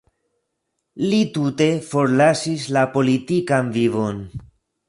Li tute forlasis la politikan vivon.